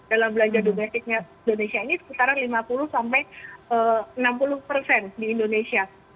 dalam belanja domestiknya indonesia ini sekitar lima puluh sampai enam puluh persen di indonesia